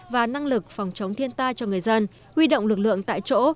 và năng lực phòng chống thiên tai cho người dân huy động lực lượng tại chỗ